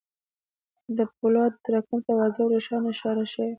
د پولادو تراکم ته واضح او روښانه اشاره شوې وه